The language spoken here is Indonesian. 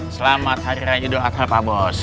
selamat hari raya idul adha pak bos